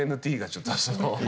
ＮＮＴがちょっとその。